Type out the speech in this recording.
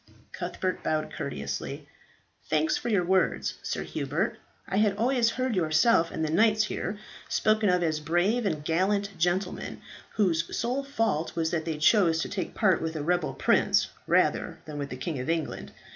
Cuthbert bowed courteously. "Thanks for your words, Sir Hubert. I had always heard yourself and the knights here spoken of as brave and gallant gentlemen, whose sole fault was that they chose to take part with a rebel prince, rather than with the King of England.